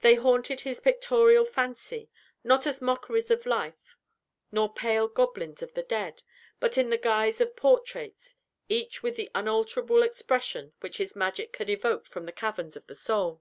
They haunted his pictorial fancy, not as mockeries of life, nor pale goblins of the dead, but in the guise of portraits, each with the unalterable expression which his magic had evoked from the caverns of the soul.